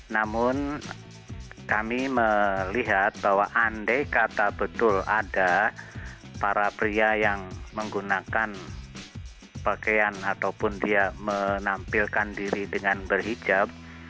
namun kami melihat bahwa andai kata betul ada para pria yang menggunakan pakaian ataupun dia menampilkan diri dengan berhijab